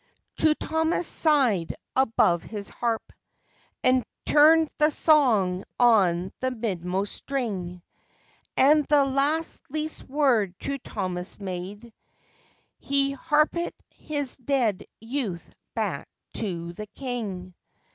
_ True Thomas sighed above his harp, And turned the song on the midmost string; And the last least word True Thomas made He harpit his dead youth back to the King.